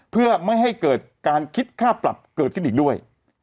เพื่อไม่ให้เกิดการคิดค่าปรับเกิดขึ้นอีกด้วย